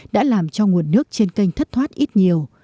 đã làm cho nguồn nước trên kênh thất thoát ít nhiều